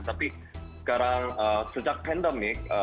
tapi sekarang sejak pandemi